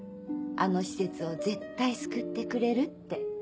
あの施設を絶対救ってくれるって。